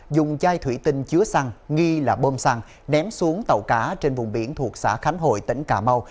dùng chai thủy tinh chứa xăng nghi là bơm xăng ném xuống tàu cá trên vùng biển thuộc xã khánh hội tỉnh cà mau